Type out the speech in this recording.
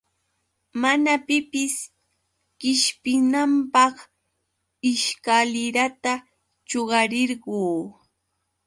Mana pipis qishpinanpaq ishkalirata chuqarirquy.